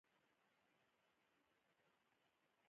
ملګری د یو بل ملتیا کوي